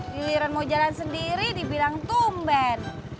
giliran mau jalan sendiri dibilang tumben